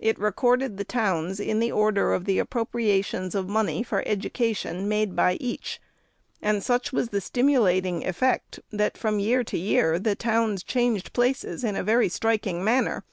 It recorded the towns in the order of the appropriations of money for education made by each ; and such was the stimulating effect, that from year to year the totvns changed places in a very striking manner.